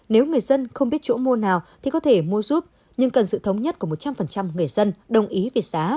nếu người dân không biết chỗ mua nào thì có thể mua giúp nhưng cần sự thống nhất của một trăm linh người dân đồng ý về giá